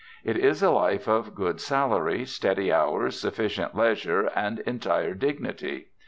It is a life of good salary, steady hours, sufficient leisure, and entire dignity.